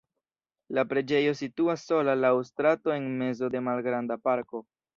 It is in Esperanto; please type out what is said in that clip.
La preĝejo situas sola laŭ strato en mezo de malgranda parko.